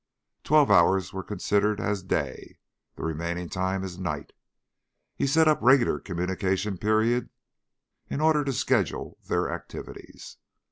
Twelve hours were considered as "day," the remaining time as "night." He set up regular communication periods in order to schedule their activities.